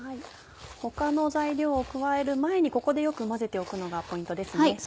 他の材料を加える前にここでよく混ぜておくのがポイントですね。